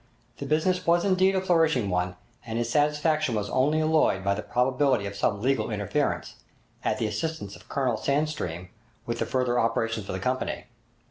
The business was indeed a flourishing one, and his satisfaction was only alloyed by the probability of some legal interference, at the instance of Colonel Sandstream, with the further operations of the Company.